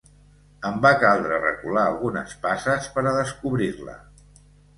Em va caldre recular algunes passes per a descobrir-la.